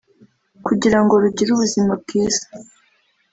kugira ngo rugire ubuzima bwiza